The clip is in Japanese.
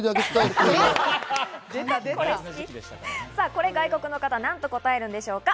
これ、外国の方、なんと答えるんでしょうか？